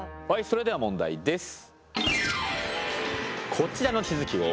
それでは問題です。